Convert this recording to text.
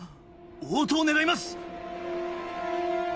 応答願います！